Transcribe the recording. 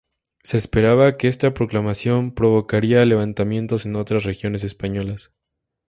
Se esperaba que esta proclamación provocaría levantamientos en otras regiones españolas.